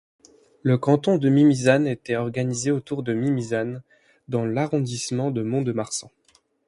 Le canton de Mimizan était organisé autour de Mimizan dans l'arrondissement de Mont-de-Marsan.